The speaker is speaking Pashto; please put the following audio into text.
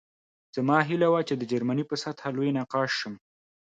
زما هیله وه چې د جرمني په سطحه لوی نقاش شم